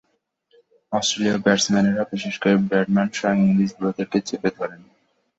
অস্ট্রেলীয় ব্যাটসম্যানেরা বিশেষ করে ব্র্যাডম্যান স্বয়ং ইংরেজ বোলারদেরকে চেপে ধরেন।